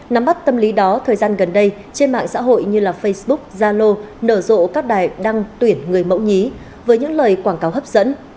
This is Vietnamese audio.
nắm bắt tâm lý đó thời gian gần đây trên mạng xã hội như facebook zalo nở rộ các đài đăng tuyển người mẫu nhí với những lời quảng cáo hấp dẫn